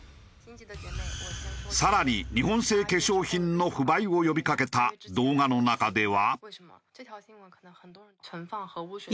更に日本製化粧品の不買を呼びかけた動画の中では。